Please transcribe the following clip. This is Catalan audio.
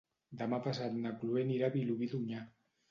Demà passat na Chloé anirà a Vilobí d'Onyar.